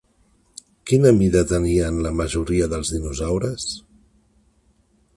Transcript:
Quina mida tenien la majoria dels dinosaures?